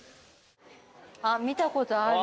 あっ見たことある。